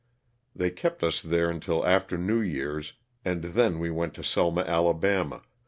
They kept us there until after New Year's and then we went to Selma, Ala.